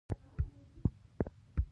همزمان یې وښورئ چې په اوبو کې ښه حل شي.